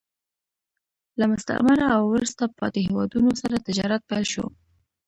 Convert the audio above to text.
له مستعمره او وروسته پاتې هېوادونو سره تجارت پیل شو